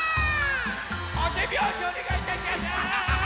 おてびょうしおねがいいたしやす！